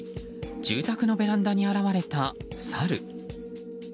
住宅のベランダに現れたサル。